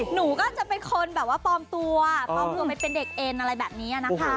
หนูก็จะเป็นคนแบบว่าปลอมตัวปลอมตัวไปเป็นเด็กเอ็นอะไรแบบนี้นะคะ